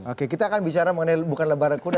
oke kita akan bicara mengenai bukan lebaran kuda